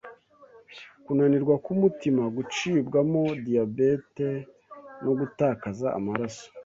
kunanirwa k’umutima gucibwamo diyabete no gutakaza amaraso